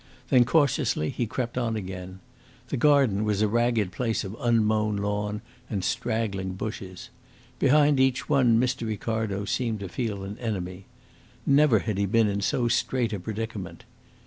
Then cautiously he crept on again. The garden was a ragged place of unmown lawn and straggling bushes. Behind each one Mr. Ricardo seemed to feel an enemy. Never had he been in so strait a predicament.